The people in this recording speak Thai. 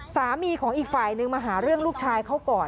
สามีของอีกฝ่ายนึงมาหาเรื่องลูกชายเขาก่อน